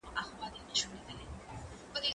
زه لیکل کړي دي